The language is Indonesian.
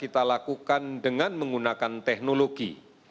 kita bisa melakukan dengan menggunakan teknologi